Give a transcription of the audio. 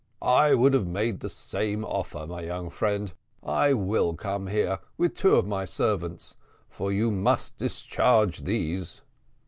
"I would have made the same offer, my young friend. I will come here with two of my servants; for you must discharge these."